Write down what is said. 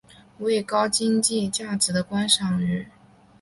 为高经济价值的观赏鱼。